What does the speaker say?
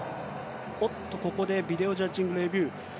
ここでビデオジャッジングレビュー。